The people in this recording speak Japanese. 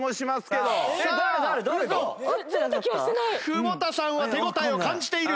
久保田さんは手応えを感じている。